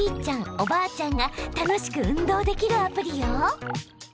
おばあちゃんが楽しく運動できるアプリよ。